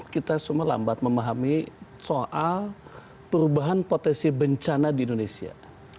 kita semua lambat memahami soal perubahan potensi bencana di indonesia